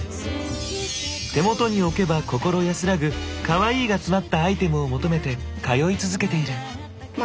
手元に置けば心安らぐ「カワイイ」が詰まったアイテムを求めて通い続けている。